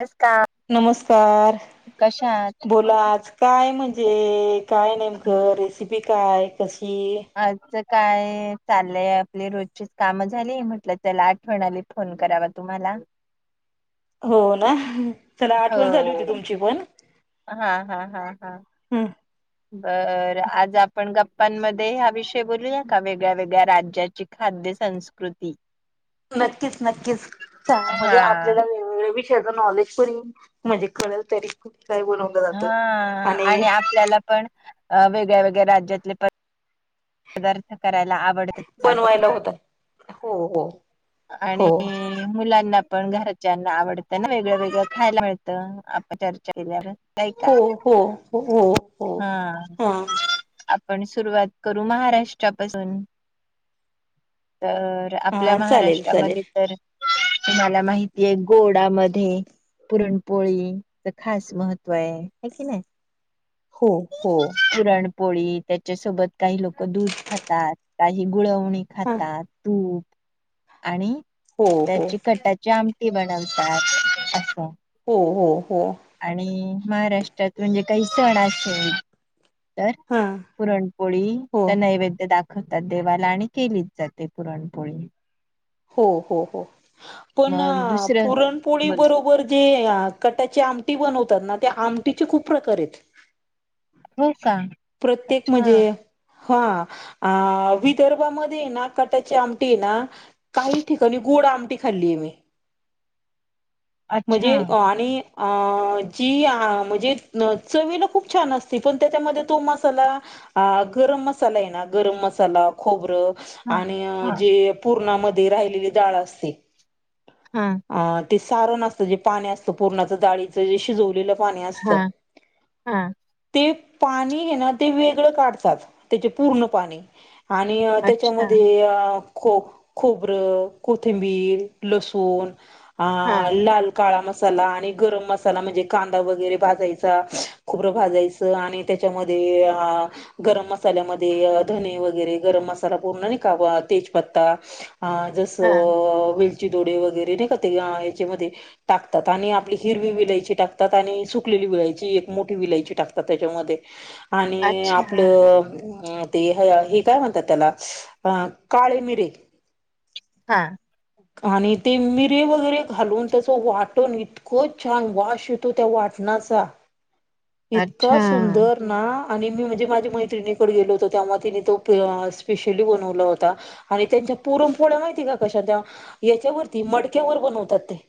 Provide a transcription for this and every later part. नमस्कार नमस्कार कशात बोलाच काय म्हणजे काय नेमकं रेसिपी काय कशी आच काय चाललंय आपली रोजचीच कामं झाली म्हटलं त्याला आठवण आली फोन करावा तुम्हाला हो ना चला आठवण झाली हो होती तुमची पण हा हा हा हा हां बर आज आपण गप्पांमध्ये हा विषय बोलूया का वेगळ्या वेगळ्या राज्या खाद्य संस्कृती नक्कीच नक्कीच का हा म्हणजे आपल्याला वेवेगळे वि नॉलेज म्हणज कळेल तरी का ब हा आणि आपल्याला पण वेगळ्या वेगळ्या राज्यातले प पदार्थ करायला आवडत असं होत हो हो आणि हो मुलांना पण घरच्या आवडत ना वेगळं वेगळं खायला मिळतं आपण चर्चा केल्यावर हो हो हो हो हो. हम् हा आपण सुरुवात करू महाराष्ट्रापासून तर आपल्या हा चालेल चालेल महाराष्ट्रामध्ये तर तुम्हाला माहितीय गोडा म पुरणपोळीच खास महत्व आहे ह कि नाही हो हो पुरणपोळी त्याच्यासोबत काही लोक दूध खातात काही गुळ [inaudible] हा हो हो जामटी बनवतात असं हो हो हो आणि महाराष्ट्रात म्हणजे काही सण असेल तर हा पुरणपोळी हो. नैवेद्य दाख खतात देवाला आणि केलीच जाते पुरणपोळी हो हो हो पण मग दुसरं पुरणपोळी बोला बरोबर जे कटाची आमटी बनवतात ना त्या आमटीचे खूप प्रकार आहेत हो काां प्रत्येक म्हजेय. हा आ विदर्भामध्येय ना कटाची आमटी हे ना काही ठिकाणी गोड आमटी खाल्ली आहे मी. अच्छा म्हणे आणि आ जी आ म्हणजे चवीला खूप छान असती, पण त्याच्यामध्ये तो मसाला आ गरम मसाला आहे ना, गरम मसाला. खोबरं हा आणि हा जे पूर्णामध्ये राहिलेली दाळ असते. हं! आ ते सारण असतं, जे पाणी असतं, पूरना च दाळीचं जे शिजवलेलं. पाणी असत. हा हा ते पाणी हे ना ते वेगळं काढतात त्याचे पूर्ण पाणी. आणि अ अच्छा त्याच्यामध्ये ए को खोबरं, कोथिंबीर, लसूण हा आ लाल काळा मसाला, आणि गरम मसाला, म्हणजे कांदा वगैरे भाजायचा खुबरं भाजायच लाणि त्याच्यामध्येआ गरम मसाल्यामध्ये धने वगैरे गरम मसाला पूर्ण नही का तेजपत्ता. अ हा जसं वेलची दोडे वगैरे नाही का ते याच्यामध्ये टाकतात आणि आपली हिरवी विलायची टाकतात, आणि सुकलेली विलायची, एक मोठी विलायची टाकतात त्याच्यामध्ये. आणि अच्छा आपलं ते हे काय म्हणतात त्याला, अ काळे मिरे हा! आणि ते मिरे वगैरे घालून त्याचं वाटण इत क छान वास येतो त्या वाटणाचा. [inaudible] इतका सुंदर. ना आणि मी म्हणजे माझी मैत्रिणीकडे गेलो होतो, त्यामुळं तिने तो प स्पेशली बनवला होता. आणि त्यांच्या पुरन पोळ्या माहिती का कशा, त्या याच्यावरती मडक्यावर बनवतात ते.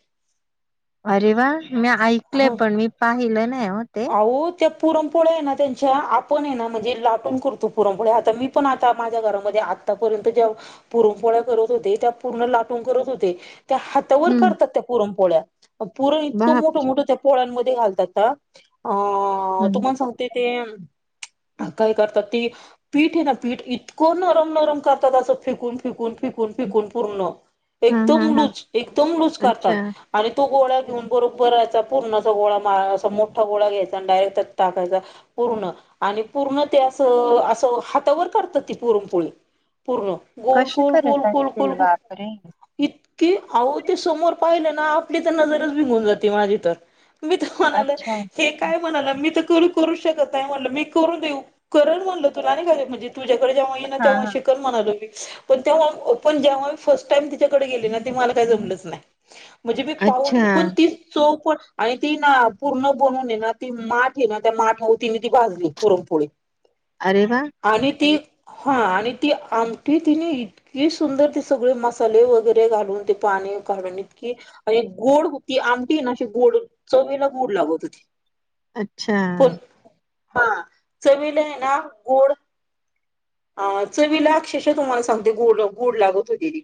अरे वा मी ऐकलय हा पण मी पाहिलं नाही हो ते. अहो त्या पुरमपोळ्या आहे ना त्यांच्या, आपण हे ना म्हणजे लाटून करतो पुरमपोळ्या, आता मी पण आता माझ्या घरामध्ये आ आपर्यंत ज्या पुरणपोळ्या करत होते, त्या पूर्ण लाटून करत होते त्या हाता तावर हम्म करतात त्या पुरनपोळ्या पुरन इतकं मोठ बापरे त्या पोळ्यांमध्ये घालतात अ हम्म तुम्हाला सांगते ते काय करतात ती पीठ आहे ना पीठ, इतकं नरम, नरम करतात असं फेकून, फेकून फे कून फेकून पूर्ण हा हा एकदम हा लूज, एकदम लूज अच्छा करतात. आणि तो गोळा घेऊन बरोबर असा पुरणाचा गोळा मा अस मोठा गोळा घ्यायचा आणि डायरेक्ट त्यात टाकायचा पूर्ण आणि पूर्ण ते असं, असं हातावर करता ती पुरणपोळी. पूर्ण गोल, कशी गोल, गोल करत गोल, गोल, असतील गोल. बापरे इतकी, अहो ते समोर पाहिलं ना आपली तर नजरच भींघून जाते माझी तर. मी त म्हणाल अच्छा हे काय म्हणालं मी तर करू, करू शकत नाही, म्हणल मी करून देऊ करल म्हणल तुला, आणि का म्हणजे. तुझकडे जेव्हा इन ना हा तेव्हा हा शिक कल म्हणालो मी, पण तेवा पण जेव्हा मी फर्स्ट टाइम तिच्याकडे गेली ना, ते मला काय जमलच नाही. म्हणजे मी अच्छा पाहून पण ती चोख पण आणि ती ना पूर्ण बनवून ये ना, ती माठ हे ना त्या माठाव तीन ती भाजली पुरणपोळी. अरे वा! आणि ती हा आणि ती आमटी तिने इत की सुंदर ते सगळे मसाले वगैरे घालून, ते पाणी काढून इतकी आणि गोड होती, आमटी ना अशी गोड चवीला गोड लागत होती. अच्छा. पण हा चवील आहे ना गोड. चवीला अक्षश तुम्हाला सांगते गड गोड लागत होते ती इ.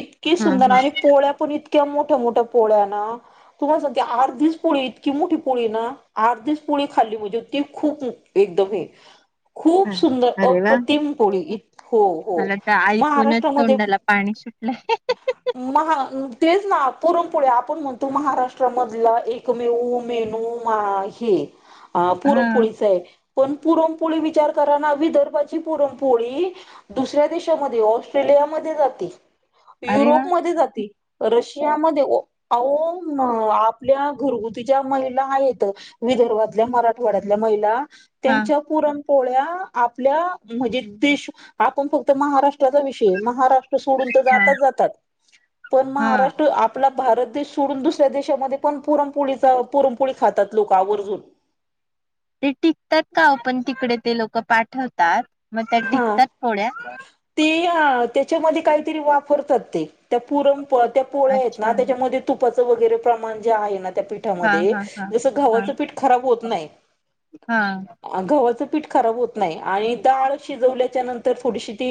इतककी हा सुंदर हा आणि पोळ्या पण इतक्या मोठ्या मोठ्या पोळ्या ना. तुम्हाला सांगते आठ दीस पोळी इतकी मोठी पोळी ना आठ दीस पोळी खाल्ली म्हणजे त खूप एकदम हे. [unintelligible] खूप सुंदर अरे वा अप्रतिम कोोळी हो हो मला तर महाराष्ट्रामध्ये ह. महा तेच ना पुरणपोळे आपण म्हणतो महाराष्ट्रामधला एकमेऊ मेनू हा पुरपोळी पण पुरपोळी विचार कराद भारताची पुरण पोळी दुसऱ्या देशामध्ये ऑस्ट्रेलियामध्ये जाते. अरे वा युरोपमध्येध्ये जाते. रशियामध्ये अ आपल्या घरगुतीच्या महिला आहेत. विदर्भातल्या मराठवाड्यातल्या महिला हा त्यांच्या पुरणपोळ्या आपल्या म्हणजे देश आपण फक्त महाराष्ट्राचा विषय महाराष्ट्र ोड हा जात जात पण हा महारष्ट्र आपला भारत देश सोडून दुसऱ्या देशामध्ये पण पुरमपोळीचा पुरमपोळी खातात लोक आवर्जून ते टिकतात का पण तिकडे ते लोक पाठवतात मग त्या हा टिकतात पोड्या ते त्याच्यामध्ये काहीतरी वापरतात ते त्या पुरमप त्या पोळ्या आहेत अच्छा ना त्याच्यामध्ये तुपाचं वगैरे प्रमाण जे आहे ना त्या हा पीठामध्ये हा हा जसं हा घवाचं पीठ खराब होत नाही. हा. गव्हाचं पीठ खराब होत नाही आणि दळ. शिजवल्याच्या नंतर थोडीशी ती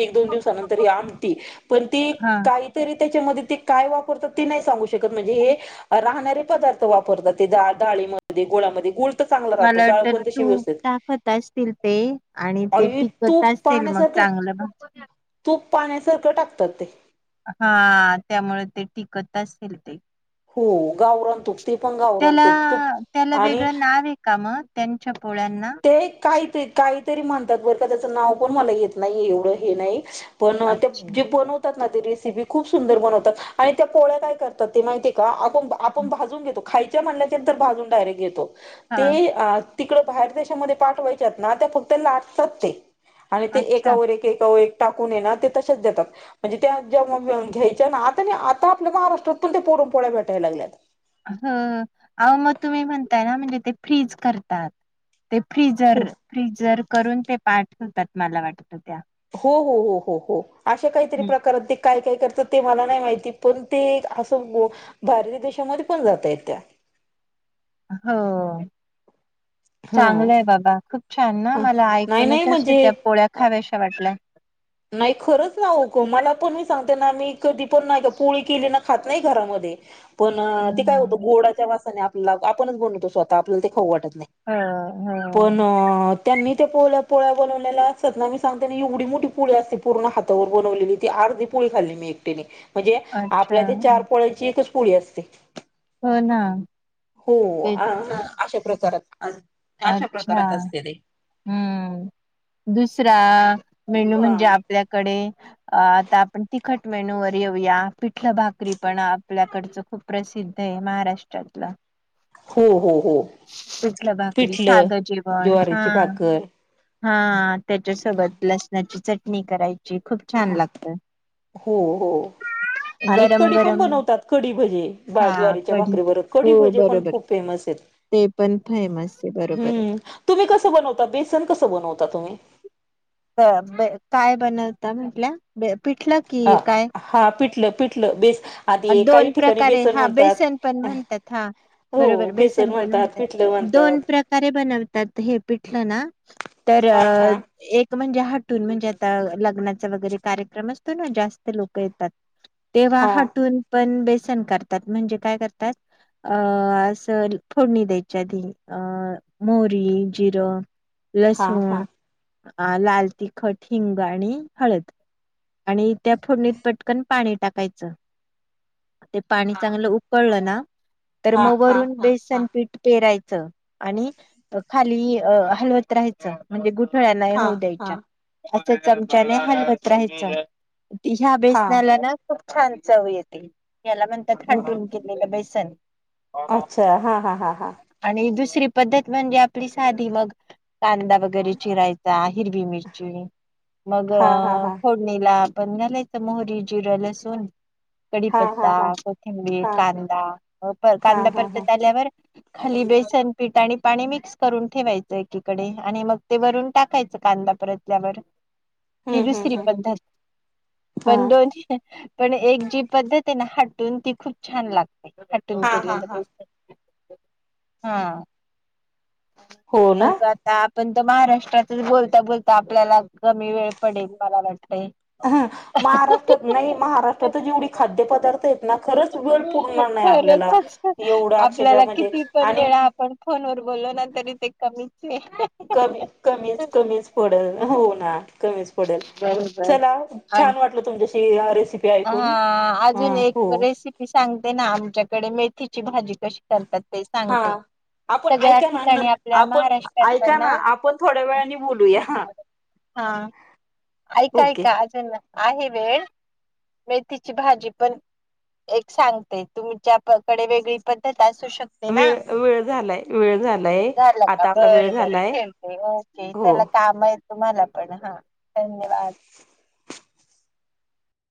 एक दोन दिवसानंतर ह आमटी पण ती हा काहीतरी त्याच्यामध्ये ते काय वापरतात ते नाही सांगू शकत म्हणजे हे. राहणारे पदार्थ वापरतात ते डाळीमध्ये गोळामध्ये गुळ चांगला राहतो जाळण त व्यस्थेत त असतील ते आणि ते टिकत तूप असेल मग पाण्यासारखं चांगलं. तूप पाण्यासारखं टाकतात ते हा त्यामुळे ते टिकत असेल ते हो गाौर तु त्याला त्याला वेगळं नाव आहे का मग त्यांच्या पोळ्यांना ते काही काहीतरी म्हणतात बरं का त्याच नाव पण म येत नाही एवढं हे नाही. पण ते अच्छा जे पण रेसिपी खूप सुंदर बनवतात आणि त्या पोळ्या काय करतात ते माहिती का? आपण भाजून घेतो खायच्या म्हल्याच्यांतर भाजून डायरेक्ट घेतो ते हा तिकडं बाहेर देशामध्ये पाठवायच्यात ना त्या फक्त लाटतात ते आणि ते अच्छा एकावर एक एकावर टाकून येणार ते तसेच देतात. म्हणजे त्या जे घ्यायच्या ना आता आता आपल्या महाराष्ट्रातून ते पोरण पोळ्या भेटायला लागल्यात. ह अ मग तुम्ही म्हणताय ना म्हणजे ते फ्रीज करतात. ते फ्रिजर हो फ्रिजर करून ते पाठवतात मला वाटत त्या हो हो हो हो हो अशा काहीतरी हं. प्रकारात काय काय करतात ते मला नाही माहिती पण ते असं भारती देशामध्ये पण जात आहेत त्या हो हा चांगलं आहे बाबा. खूप छान ना अ, मला नाही नाही ऐकूनच अे म्हणजे त्या पोळ्या अ, खाव्याशा वाटल्या. नाही खरंच ना होक मला पण मी सांगते ना मी कधी पण नाही का पोळी केली ना खात नाही घरामध्ये पण ते काय होतं हं. गोडाच्या वासाने आपल्याला आपणच बनवतो स्वतः आपल्याला ते खाऊ वाटत नाही. हो पण हो त्यांनी ते पोळ पोळ्या बनवलेला सदनामी सांग त्यांनी ह उडी मोठी पुळी अस पूर्ण हातावर बनवलेली ती अर्धी पुळी खाल्ली मी एकटीने म्हणजे अच्छा आपल्या ते चार पोळ्यांची एकच पोळी असते. हो ना हो तेच अ- अशा प्रकारात. अशा अच्छा प्रकारात असते ते हम्म दुसरा मेन्यू खूप म्हणजे आपल्याकडे अ आता आपण तिखट मेनूवर येऊया पिठल भाकरी पण आपल्याकडचं खूप प्रसिद्ध आहे महाराष्ट्रातलं. [inaudible] हो हो हो पिठलं भाकरी पिठलं साधं जेवण हा ज्वारीची भाकर. हा त्याच्यासोबत लसणाची चटणी करायची खूप अ छान लागत हो हो. आणि गरम कडी पण गरम बनवतात कढी भजे बा हा जुवारीच्या कढी भाकरीवर हो कढी भजे पण बरोबर खूप फेमस आहेत. ते पण फेमस आहे बरोबर. हम्म तुम्ही कसं बनवता बेसन कसं बनवता तुम्ही? क ब काय बनवता म्हटल्या प- पिटलं अ की काय? हा पिटलं पिटलं बेस आधी काही दोन ठिकाणी प्रकारे बेसन हा म्हणतात. बेसन पण म्हणतात हा. हो बरोबर बेसन पण म्हणतात पिठलं म्हणतात दोन प्रकारे बनवतात हे पिठलं ना? तर हा हा अ एक म्हणजे हटून म्हणजे आता लग्नाचा वगैरे कार्यक्रम असतो ना जास्त लोक येतात तेव्हा हा हटून पण बेसन करतात म्हणजे काय करतात अ अस फोडणी द्यायच्या आधी अ मोरी जिरं हा हा. लसूण अ लाल तिखट हिंग आणि हळद आणि त्या फोडणीत पटकन पाणी टाकायचं. ते पाणी चांगलं उकळलं ना तर हा मग हा वरून हा हा बेसन पीठ पेरायचं आणि खाली हलवत राहायचं म्हणजे गुठळ्याना हा होऊ हा द्यायच्या असं चमच्याने हलपत राहायचं. ह्या हा बेसनाला ना खूप छान चव येते. याला म्हणतात हो हटून केलेलं बेसन. अच्छा हा हा हा हा. आणि दुसरी पद्धत म्हणजे आपली साधी मग कांदा वगैरे चिराय चा हिरवी मिरची मग हा हा हा फोड णीला पण घालायचं मोहरी जिर लसुन हा हा हा कडीपत्ता हा कोथिंबीर कांदा हा कांदा हा हा परतत आल्यावर खाली बेसन पीठ आणि पाणी मिक्स करून ठेवायचं एकीकडे आणि मग ते वरून टाकायचं कांदा परत की हम्म हम्म दुसरी हम्म पद्धत हा पण दोन पण एक जी पद्धत आहे ना हटून ती खूप छान लागते हटून हा हा केलेलं हा बेस हम्म हो का. आपण त महाराष्ट्रातच बोलता बोलता आपल्याला कमी वेळ पडेल मला वाटतय. महाराष्ट्र तच जेवढी खाद्य पदार्थ आहेत ना खरंच वेळ पुरणार नाही खरंच आपल्याला एवढा अक्षरशः आपल्याला म्हणजे किती पण आणि वेळा आपण फोन वर बोलो ना तरी ते कमीच ये. कमी कमीच कमीच पडल होऊ ना. कमी पडेल बरोबर चला आणि छान वाटल तुमच्याशी हा रेसिपी हा ऐकून हा अजून एक हो रेसिपी सांगते ना आमच्याकडे मेथीची भाजी कशी करतात ते हा सांगते. आपण सगळ्या ऐका ना न ठिकाणी आपल्या आपण महाराष्ट्रात ऐका पना ना आपण थोड्या वेळाने बोलूया हा हा ऐका ओके ऐका अजून आहे वेळ मेथीची भाजी पण एक सांगते तुमच्याकडे वेगळी पद्धत असू शक ते ना वेळ वेळ झालाय वेळ झालाय झालं का आता आपला बर वेळ बर झालाय ठेवते ओके हो चला काम येत. तुम्हाला पण हा धन्यवाद. ह.